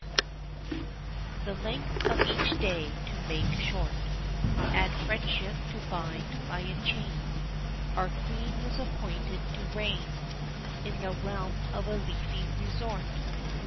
The length of each day to make short And friendship to bind by a chain, Our Queen was appointed to reign In the realm of a leafy resort.